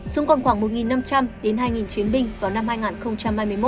xuống còn khoảng một năm trăm linh đến hai chiến binh vào năm hai nghìn hai mươi một